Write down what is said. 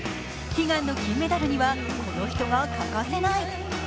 悲願の金メダルにはこの人は欠かせない。